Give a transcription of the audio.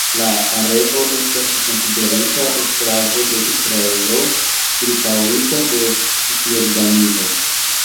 La areo estas konsiderita eksklavo de Israelo, ĉirkaŭita de Cisjordanio.